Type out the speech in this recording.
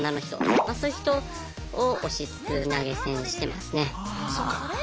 そういう人を推しつつ投げ銭をしてますね。